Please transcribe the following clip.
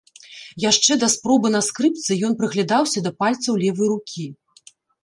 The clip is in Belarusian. Яшчэ да спробы на скрыпцы ён прыглядаўся да пальцаў левай рукі.